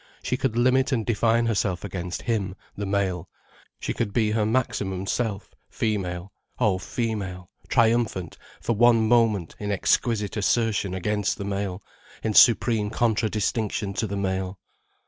She could limit and define herself against him, the male, she could be her maximum self, female, oh female, triumphant for one moment in exquisite assertion against the male, in supreme contradistinction to the male.